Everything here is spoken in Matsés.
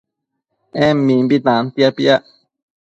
En mimbi tantia piac